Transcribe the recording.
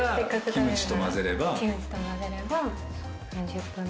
「キムチと混ぜれば４０分前に」